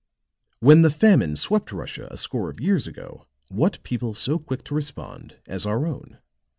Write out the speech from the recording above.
"When the famine swept Russia a score of years ago, what people so quick to respond as our own?